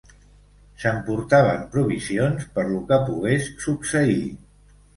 S'emportaven provisions per lo que pogués succeir